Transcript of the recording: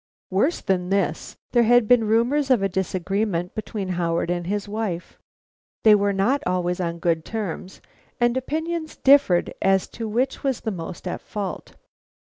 Worse than this, there had been rumors of a disagreement between Howard and his wife. They were not always on good terms, and opinions differed as to which was most in fault.